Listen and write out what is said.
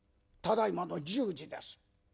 ただいまの１０時です。